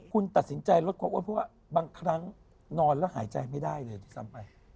คุณตัดสินใจลดความอ้วนเพราะว่าบางครั้งนอนแล้วหายใจไม่ได้เลยที่ซ้ำไป